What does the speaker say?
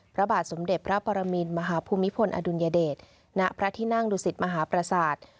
พระบาทสมเด็จพระปรมินมหาภูมิพลอดุลยเดชณพระที่นั่งดุสิตมหาประสาท